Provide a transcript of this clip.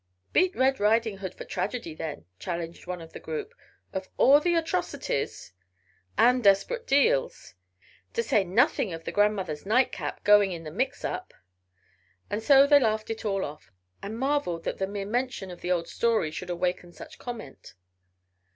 "Beat Red Riding Hood for tragedy then," challenged one of the group. "Of all the atrocities " "And desperate deals " "To say nothing of the grandmother's night cap going in the mix up " And so they laughed it all off, and marveled that the mere mention of the old story should awaken such comment.